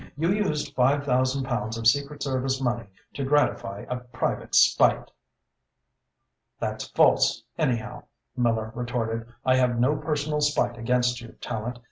"You used five thousand pounds of secret service money to gratify a private spite." "That's false, anyhow," Miller retorted. "I have no personal spite against you, Tallente.